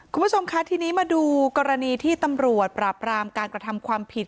คุณผู้ชมคะทีนี้มาดูกรณีที่ตำรวจปราบรามการกระทำความผิด